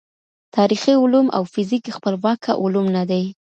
تاریخي علوم او فزیک خپلواکه علوم نه دي.